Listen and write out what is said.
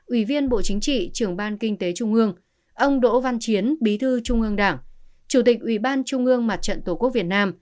ủy viên bộ chính trị trưởng ban kinh tế trung ương ông đỗ văn chiến bí thư trung ương đảng chủ tịch ủy ban trung ương mặt trận tổ quốc việt nam